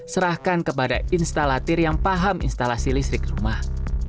serahkan kepada instalatir yang paham instalasi listrik rumah